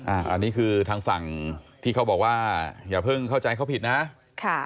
อันนี้คือทางฝั่งที่เขาบอกว่าอย่าเพิ่งเข้าใจเขาผิดนะค่ะ